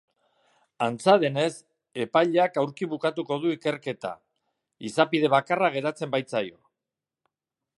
Antza denez, epaileak aurki bukatuko du ikerketa, izapide bakarra geratzen baitzaio.